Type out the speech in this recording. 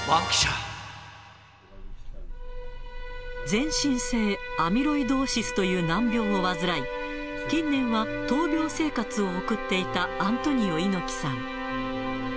全身性アミロイドーシスという難病を患い、近年は闘病生活を送っていたアントニオ猪木さん。